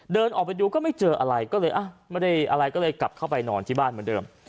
เดินออกไปดูก็ไม่เจออะไรก็เลยกลับเข้าไปนอนที่บ้านเหมือนเดิม